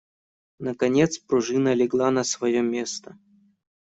Наконец пружина легла на свое место.